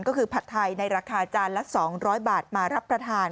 ก็คือผัดไทยในราคาจานละ๒๐๐บาทมารับประทาน